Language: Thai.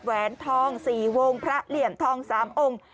แหวนทอง๔วงพระเหลี่ยมทอง๓องค์